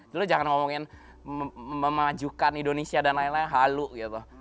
dulu jangan ngomongin memajukan indonesia dan lain lain halu gitu